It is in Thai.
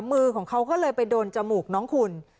มือของเขาก็เลยไปโดนจมูกน้องคุณ